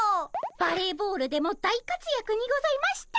バレーボールでも大活躍にございました。